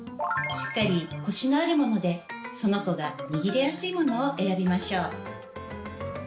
しっかりコシのあるものでその子が握りやすいものを選びましょう。